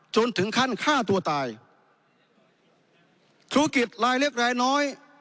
จนถึงขั้นฆ่าตัวตายธุรกิจรายเล็กรายน้อย